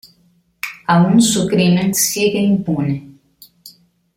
Aún su crimen sigue impune.